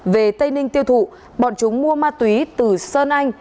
về tây ninh tiêu thụ bọn chúng mua ma túy từ sơn anh